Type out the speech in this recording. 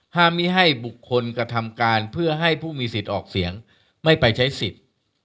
ไม่ให้บุคคลกระทำการเพื่อให้ผู้มีสิทธิ์ออกเสียงไม่ไปใช้สิทธิ์